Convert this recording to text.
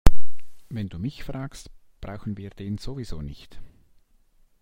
Wenn du mich fragst, brauchen wir den sowieso nicht.